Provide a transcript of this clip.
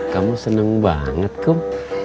kamu seneng banget kum